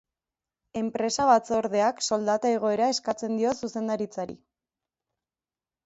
Enpresa batzordeak soldata igoera eskatzen dio zuzendaritzari.